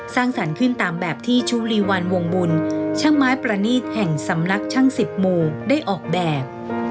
สร้างสรรค์ขึ้นตามแบบที่ชุลีวันวงบุญช่างไม้ประณีตแห่งสำนักช่างสิบหมู่ได้ออกแบบ